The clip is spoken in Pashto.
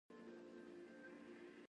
تاسو ووايئ چې زه تاسو چېرې او کله وګورم.